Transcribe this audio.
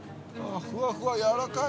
「ふわふわ軟らかい！」。